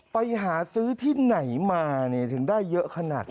ไปหาซื้อที่ไหนมาถึงได้เยอะขนาดนี้